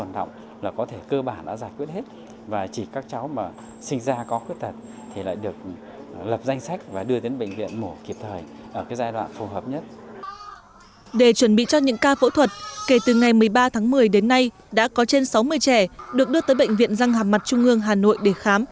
để chuẩn bị cho những ca phẫu thuật kể từ ngày một mươi ba tháng một mươi đến nay đã có trên sáu mươi trẻ được đưa tới bệnh viện răng hàm mặt trung ương hà nội để khám